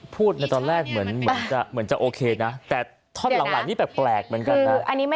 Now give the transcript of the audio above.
พูดในตอนแรกเหมือนจะโอเคนะแต่ท่อนหลังนี่แปลกเหมือนกันนะ